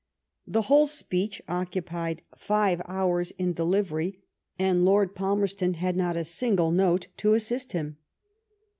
The whole speech occupied five hours in delivery, and Lord Palmerston had not a single note to assist him.